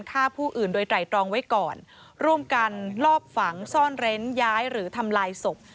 ฆ่าผู้อื่นโดยไตรตรองไว้ก่อนร่วมกันลอบฝังซ่อนเร้นย้ายหรือทำลายศพ